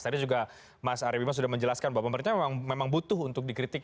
tadi juga mas ari bima sudah menjelaskan bahwa pemerintah memang butuh untuk dikritik